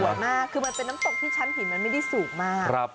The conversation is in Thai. มากคือมันเป็นน้ำตกที่ชั้นหินมันไม่ได้สูงมาก